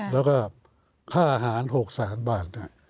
แล้วก็ค่าอาหาร๖แสนบาท